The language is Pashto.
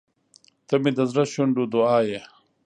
• ته مې د زړه شونډو دعا یې.